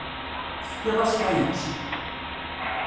Tefkiḍ-as tayet.